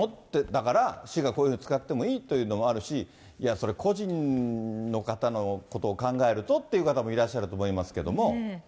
だから、市がこういうふうに使ってもいいというふうなのもあるし、故人の方のこと考えるとっていう方もいらっしゃると思いますけど。